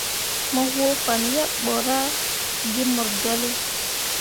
Mo woo fan yeɓ ɓo ra ge mor jolle.